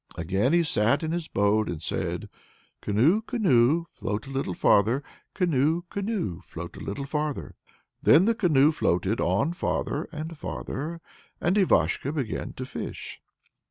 Again he sat in his boat and said: Canoe, canoe, float a little farther, Canoe, canoe, float a little farther. Then the canoe floated on farther and farther, and Ivashko began to fish.